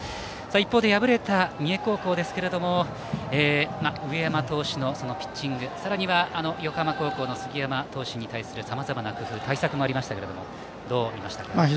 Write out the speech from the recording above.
一方で、敗れた三重高校ですが上山投手のピッチングさらには横浜高校の杉山投手に対するさまざまな工夫対策もありましたがどう見ました？